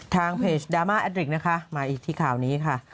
ทางเพจดราม่าแอดริกนะคะมาอีกที่ข่าวนี้ค่ะ